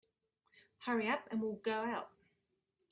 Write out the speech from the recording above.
Hurry up and we'll go out.